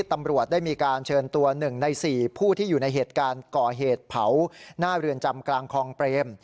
ตำรวจได้มีการเชิญตัว๑ใน๔ผู้ที่อยู่ในเหตุการณ์ก่อเหตุเผาหน้าเรือนจำกลางคลองเปรม